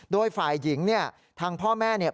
โดยฝ่ายหญิงเนี่ยทางพ่อแม่เนี่ย